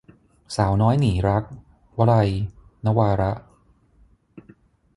สาวน้อยหนีรัก - วลัย นวาระ